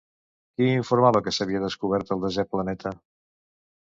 Qui informava que s'havia descobert el desè planeta?